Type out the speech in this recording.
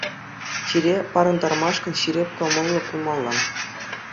Чире парӑнтармашкӑн ҫирӗп кӑмӑллӑ пулмалла.